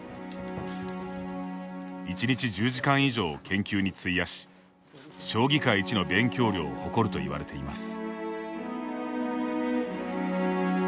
１日１０時間以上を研究に費やし将棋界一の勉強量を誇るといわれています。